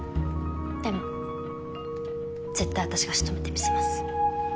でも絶対私が仕留めてみせます。